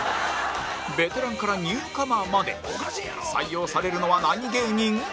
ベテランからニューカマーまで採用されるのは何芸人？